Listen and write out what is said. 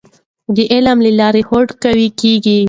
د علم له لارې هوډ قوي کیږي.